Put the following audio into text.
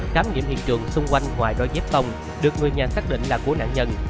khám nghiệm hiện trường xung quanh ngoài đo dếp tông được người nhà xác định là của nạn nhân